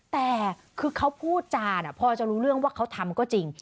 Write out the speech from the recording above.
แต่คือเขาพูดจานพอจะรู้เรื่องว่าเขาทำก็จริง